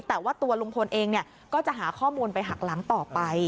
แต่ว่าตัวลุงพลเองก็จะหาข้อมูลไปหักหลังต่อไป